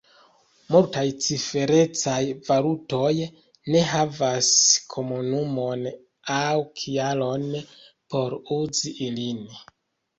Multaj ciferecaj valutoj ne havas komunumon aŭ kialon por uzi ilin.